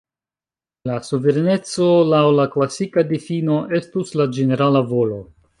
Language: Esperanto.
La Suvereneco laŭ la klasika difino estus la ĝenerala volo.